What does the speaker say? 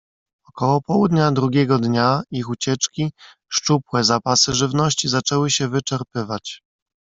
"Około południa drugiego dnia ich ucieczki, szczupłe zapasy żywności zaczęły się wyczerpywać."